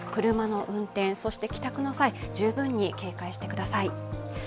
車の運転、帰宅の際、十分に警戒してください。